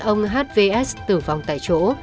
ông hvs tử vong tại chỗ